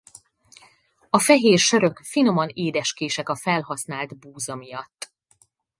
A fehér sörök finoman édeskések a felhasznált búza miatt.